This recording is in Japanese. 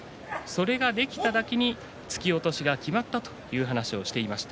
それができただけに突き落としがきまったという話をしていました。